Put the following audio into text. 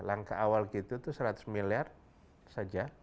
langkah awal gitu tuh seratus miliar saja